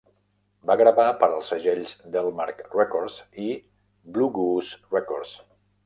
Va gravar per als segells Delmark Records i Blue Goose Records.